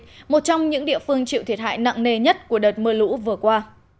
nó là một trong những địa phương chịu thiệt hại nặng nề nhất của đợt mưa lũ vừa qua